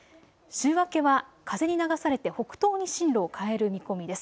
週明けは風に流されて北東に進路を変える見込みです。